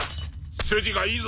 筋がいいぞ。